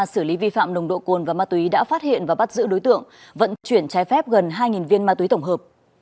xử lý vi phạm nồng độ cồn và ma túy đã phát hiện và bắt giữ đối tượng vận chuyển trái phép gần hai viên ma túy tổng hợp